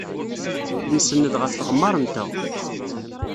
Nsenned ɣef tɣemmar-nteɣ.